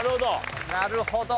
なるほど。